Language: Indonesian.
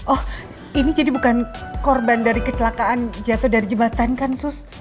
oh ini jadi bukan korban dari kecelakaan jatuh dari jembatan kan sus